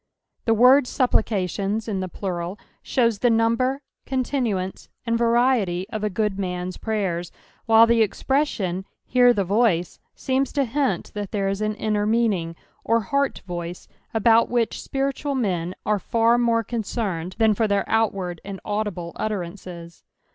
The word " suppli cations," in the plural, shows the number, continuance, and varietr of a good roan's prajers, while the expression, " hear the voice," seems to hint that there ia an inaer meaning, or heart voice, about which apiritual men are far more concerned than for their outward and audible utterances.